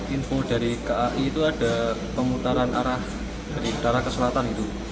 info dari kai itu ada pemutaran arah dari utara ke selatan itu